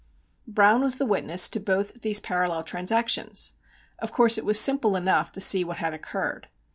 Browne was the witness to both these parallel transactions! Of course it was simple enough to see what had occurred.